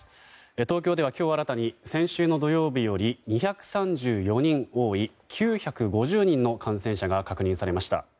東京では今日新たに先週の土曜日より２３４人多い９５０人の感染者が確認されました。